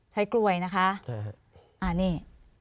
ใช้กลวยนะคะนี่